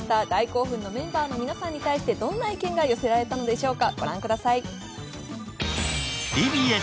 大興奮のメンバーの皆さんに対してどんな意見が寄せられたのでしょうか。